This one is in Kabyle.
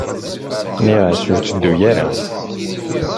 Nniɣ-as ur tetteddu ara.